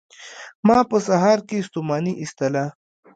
ما په سهار کې ستوماني ایستله